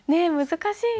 難しい。